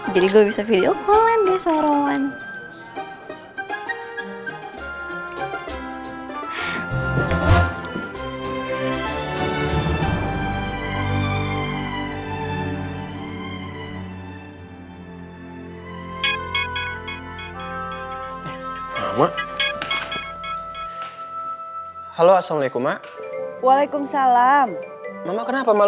jadi gue bisa video call an deh sama rowan